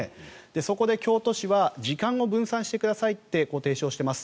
そこで京都市は時間を分散してくださいと提唱しています。